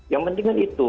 yang pentingnya itu